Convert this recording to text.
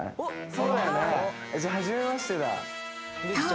そうだよねじゃあはじめましてだそう